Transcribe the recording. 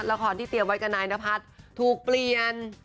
ราคอนที่เตรียมไวกนายนพัดถูกเปลี่ยน